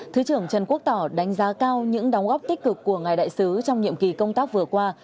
thứ trưởng trần quốc tỏ đánh giá cao những đóng góp tích cực của ngài đại sứ trong nhiệm kỳ công tác vừa qua